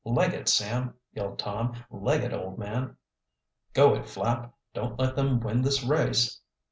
"Leg it, Sam!" yelled Tom. "Leg it, old man!" "Go it, Flapp! Don't let them win this race!"